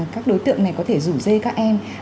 các đối tượng này có thể rủ dê các em